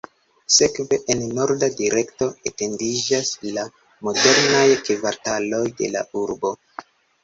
Sekve, en norda direkto, etendiĝas la modernaj kvartaloj de la urbo.